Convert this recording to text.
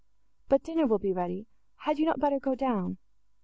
But dinner will be ready—had you not better go down?"